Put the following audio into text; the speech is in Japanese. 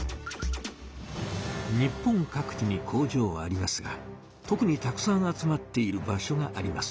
日本各地に工場はありますが特にたくさん集まっている場所があります。